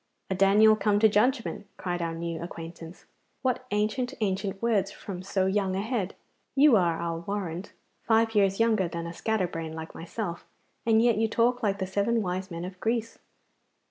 'A Daniel come to judgment!' cried our new acquaintance. 'What ancient, ancient words from so young a head! You are, I'll warrant, five years younger than a scatterbrain like myself, and yet you talk like the seven wise men of Greece.